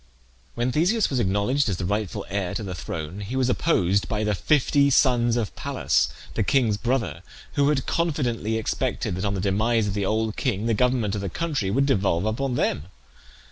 When Theseus was acknowledged as the rightful heir to the throne he was opposed by the fifty sons of Pallas, the king's brother, who had confidently expected that on the demise of the old king the government of the country would devolve upon them.